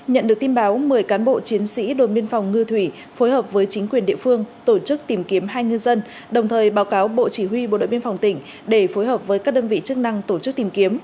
nhận được tin báo một mươi cán bộ chiến sĩ đồn biên phòng ngư thủy phối hợp với chính quyền địa phương tổ chức tìm kiếm hai ngư dân đồng thời báo cáo bộ chỉ huy bộ đội biên phòng tỉnh để phối hợp với các đơn vị chức năng tổ chức tìm kiếm